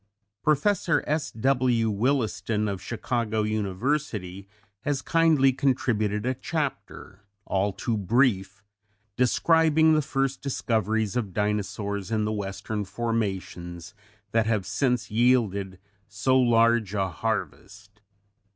Professor S.W. Williston of Chicago University has kindly contributed a chapter all too brief describing the first discoveries of dinosaurs in the Western formations that have since yielded so large a harvest.